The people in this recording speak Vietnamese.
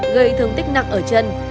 gây thương tích nặng ở chân